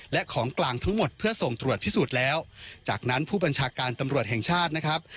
และของกลางทั้งหมดเพื่อส่งตรวจพิสูจน์แล้วจากนั้นผู้บัญชาการตำรวจแห่งชาตินะครับ